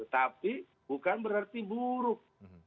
tapi bukan berarti buruk